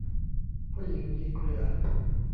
ผู้หญิงยิงเรือ